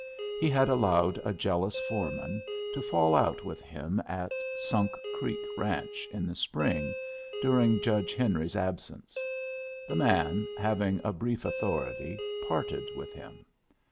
He had allowed a jealous foreman to fall out with him at Sunk Creek ranch in the spring, during Judge Henry's absence. The man, having a brief authority, parted with him.